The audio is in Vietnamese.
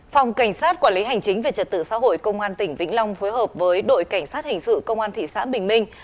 phòng cảnh sát quản lý hành chính về trật tự xã hội công an tỉnh vĩnh long phối hợp với đội cảnh sát hình sự công an thị xã bình minh